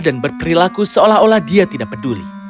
dan berperilaku seolah olah dia tidak peduli